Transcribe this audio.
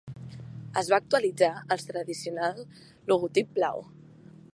Es va actualitzar els tradicional logotip blau.